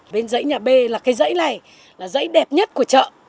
bên dãy nhà b là cái dãy này là dãy đẹp nhất của chợ